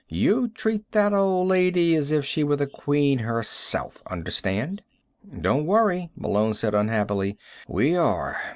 "You treat that old lady as if she were the Queen herself, understand?" "Don't worry," Malone said unhappily. "We are."